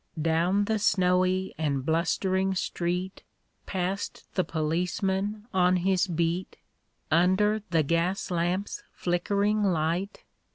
Down the snowy and blustering street, Past the policeman on his beat, Under the gas lamp's flickering light.